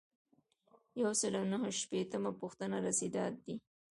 یو سل او نهه شپیتمه پوښتنه رسیدات دي.